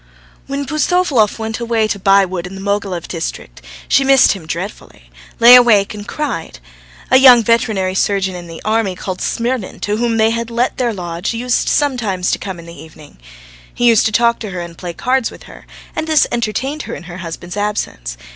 When Pustovalov went away to buy wood in the Mogilev district, she missed him dreadfully, lay awake and cried. A young veterinary surgeon in the army, called Smirnin, to whom they had let their lodge, used sometimes to come in in the evening. He used to talk to her and play cards with her, and this entertained her in her husband's absence.